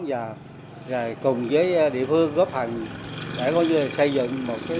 và cùng với địa phương góp hành để coi như là xây dựng